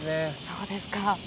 そうですか。